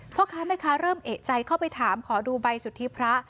พ่อค้าแม่ค้าเริ่มเอกใจเข้าไปถามขอดูใบสุทธิพระ